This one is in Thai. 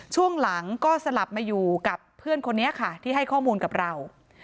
ช่วงหลังก็สลับมาอยู่กับเพื่อนคนนี้ค่ะที่ให้ข้อมูลกับเรา